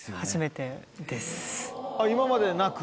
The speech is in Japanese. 今までなく。